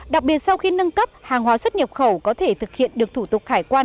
đặc biệt sau khi nâng cấp hàng hóa xuất nhập khẩu có thể thực hiện được thủ tục hải quan